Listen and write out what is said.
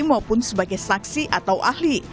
maupun sebagai saksi atau ahli